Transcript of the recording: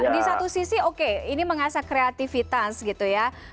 di satu sisi oke ini mengasah kreativitas gitu ya